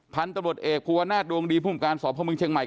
พันธุ์ตำรวจเอกภูวนาศดวงดีภูมิการสอบพ่อเมืองเชียงใหม่